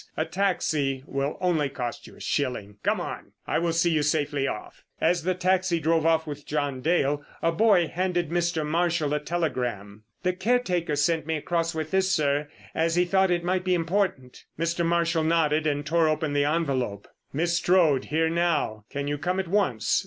A taxi will only cost you a shilling. Come along, and I will see you safely off." As the taxi drove off with John Dale, a boy handed Mr. Marshall a telegram: "The caretaker sent me across with this, sir, as he thought it might be important." Mr. Marshall nodded, and tore open the envelope. "Miss Strode here now; can you come at once?